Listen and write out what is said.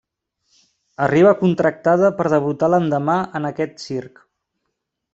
Arriba contractada per debutar l'endemà en aquest circ.